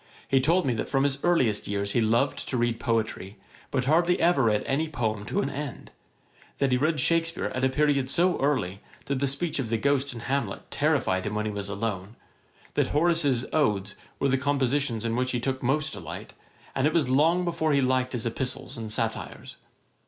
He told me that from his earliest years he loved to read poetry, but hardly ever read any poem to an end; that he read Shakspeare at a period so early, that the speech of the ghost in Hamlet terrified him when he was alone; that Horace's Odes were the compositions in which he took most delight, and it was long before he liked his Epistles and Satires.